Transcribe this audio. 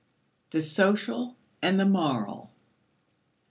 The Social and the Moral.